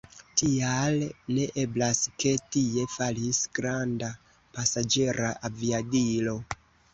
Tial ne eblas, ke tie falis granda pasaĝera aviadilo.